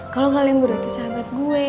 kalo kalian berdua tuh sahabat gue